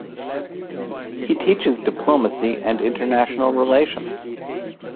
He teaches diplomacy and international relations.